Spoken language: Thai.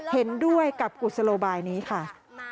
เห็นด้วยกับกุศโลบายนี้ค่ะ